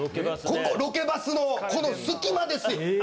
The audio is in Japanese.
ここロケバスのこの隙間ですよ。